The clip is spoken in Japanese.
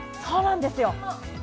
そうなんですよ！